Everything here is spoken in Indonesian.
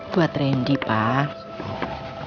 buat randy pak